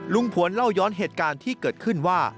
ผวนเล่าย้อนเหตุการณ์ที่เกิดขึ้นว่า